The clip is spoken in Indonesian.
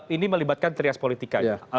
ini melibatkan trias politikanya